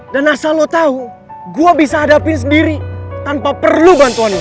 dan asal lo tau gue bisa hadapin sendiri tanpa perlu bantuan lo